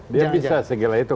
dia bisa segila itu